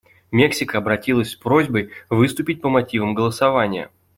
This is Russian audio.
Мексика обратилась с просьбой выступить по мотивам голосования.